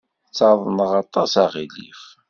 Ttaḍneɣ aṭas aɣilif.